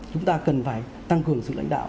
chúng ta cần phải tăng cường sự lãnh đạo